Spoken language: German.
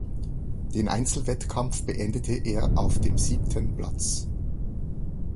Den Einzelwettkampf beendete er auf dem siebten Platz.